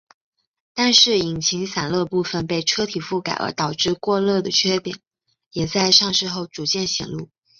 但是引擎散热部份被车体覆盖而导致过热的缺点也在上市后逐渐显露。